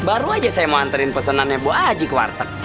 baru aja saya mau anterin pesanannya bu aji ke warteg